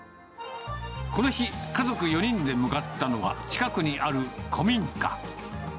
この日、家族４人で向かったのは、近くにある古民家。